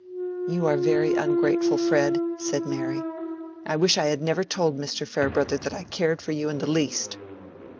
"You are very ungrateful, Fred," said Mary. "I wish I had never told Mr. Farebrother that I cared for you in the least."